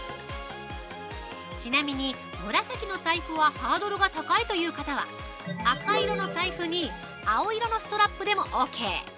◆ちなみに、紫の財布はハードルが高いという方は、赤色の財布に青色のストラップでもオーケー。